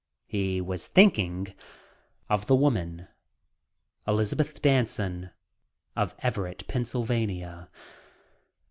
He was thinking of the woman, Elizabeth Danson of Everett, Pennsylvania.